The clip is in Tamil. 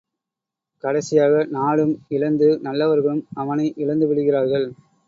கடைசியாக நாடும் இழந்து நல்லவர்களும் அவனை இழந்து விடுகிறார்கள்.